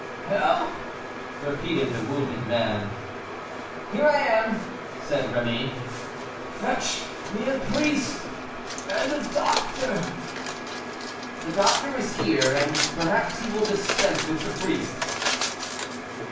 "Help!" repeated the wounded man. "Here I am," said Rémy. "Fetch me a priest and a doctor." "The doctor is here, and perhaps he will dispense with the priest."